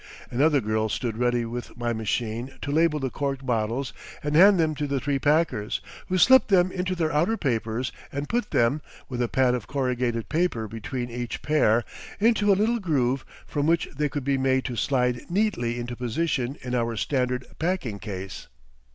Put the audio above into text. Another girl stood ready with my machine to label the corked bottles and hand them to the three packers, who slipped them into their outer papers and put them, with a pad of corrugated paper between each pair, into a little groove from which they could be made to slide neatly into position in our standard packing case.